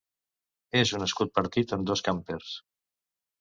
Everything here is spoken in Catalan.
És un escut partit en dos campers.